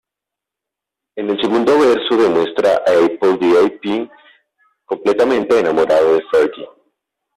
En el segundo verso de muestra a Apl.de.Ap completamente enamorado de Fergie.